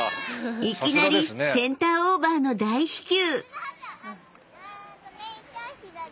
［いきなりセンターオーバーの大飛球］